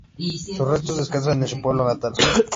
Sus restos descansan en su pueblo natal.